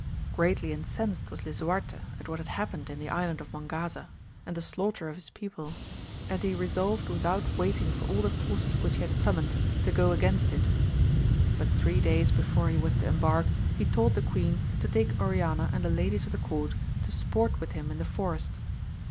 Greatly incensed was Lisuarte at what had happened in the island of Mongaza, and the slaughter of his people. And he resolved without waiting for all the forces which he had summoned to go against it. But three days before he was to embark he told the queen to take Oriana and the ladies of the court to sport with him in the forest.